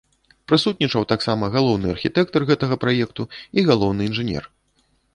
Прысутнічаў таксама галоўны архітэктар гэтага праекту і галоўны інжынер.